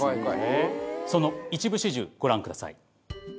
その一部始終ご覧ください。